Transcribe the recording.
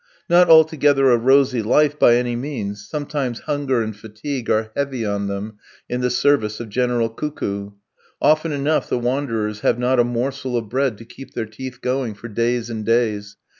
Not altogether a rosy life, by any means; sometimes hunger and fatigue are heavy on them "in the service of General Cuckoo." Often enough the wanderers have not a morsel of bread to keep their teeth going for days and days.